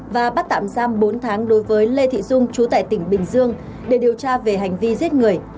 và bắt tạm giam bốn tháng đối với lê thị dung chú tại tỉnh bình dương để điều tra về hành vi giết người